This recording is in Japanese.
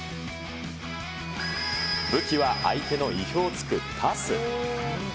武器は相手の意表をつくパス。